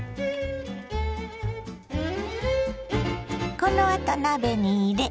このあと鍋に入れ